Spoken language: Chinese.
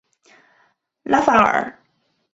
拉法尔。